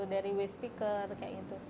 dari waste picker kayak gitu sih